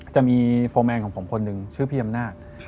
จะมีโฟร์แมนของผมคนหนึ่งชื่อพี่อำนาจ